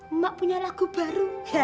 emak punya lagu baru